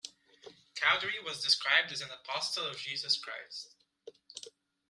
Cowdery was described as "an Apostle of Jesus Christ".